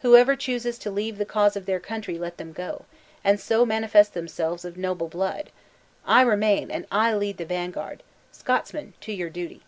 Whoever chooses to leave the cause of their country, let them go; and so manifest themselves of noble blood! I remain, and I lead the vanguard! Scotsmen, to your duty."